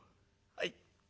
「はい。